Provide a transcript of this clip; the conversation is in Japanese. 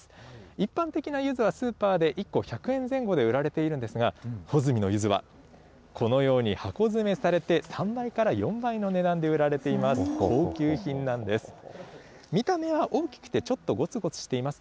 一般的なゆずはスーパーで１個１００円前後で売られているんですが、穂積のゆずはこのように箱詰めされて、３倍から４倍の値段で売られています。